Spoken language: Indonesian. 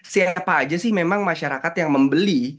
siapa aja sih memang masyarakat yang membeli